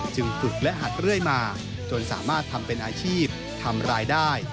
ฝึกและหัดเรื่อยมาจนสามารถทำเป็นอาชีพทำรายได้